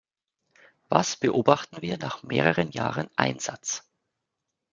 Was beobachten wir nach mehreren Jahren Einsatz?